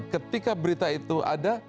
ketika berita itu ada